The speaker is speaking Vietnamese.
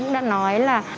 cũng đã nói là